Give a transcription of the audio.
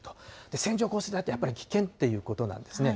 線状降水帯ってやっぱり危険っていうことなんですね。